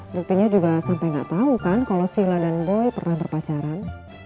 buktinya juga sampai nggak tahu kan kalau sila dan boy pernah berpacaran